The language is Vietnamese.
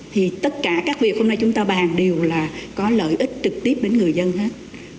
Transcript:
thì tất cả các việc hôm nay chúng ta bàn đều là có lợi ích trực tiếp đến người dân hết